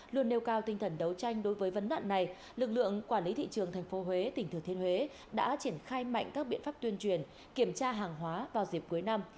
luôn nêu cao tinh thần đấu tranh đối với vấn nạn này lực lượng quản lý thị trường tp huế tỉnh thừa thiên huế đã triển khai mạnh các biện pháp tuyên truyền kiểm tra hàng hóa vào dịp cuối năm